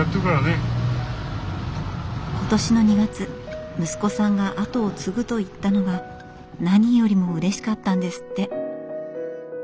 今年の２月息子さんが後を継ぐと言ったのが何よりもうれしかったんですって。